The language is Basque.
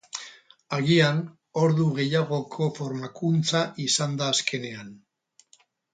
Agian ordu gehiagoko formakuntza izan da azkenean.